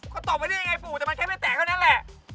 ก็ต่อไปได้ไงปู่แต่มันแค่ไม่แตกเท่านั้นแหละ